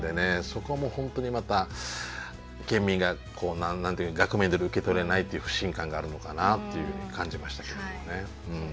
そこはもう本当にまた県民が額面どおり受け取れないっていう不信感があるのかなっていうふうに感じましたけれどもね。